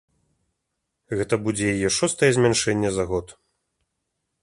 Гэта будзе яе шостае змяншэнне за год.